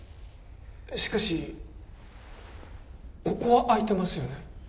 しかしここは空いてますよね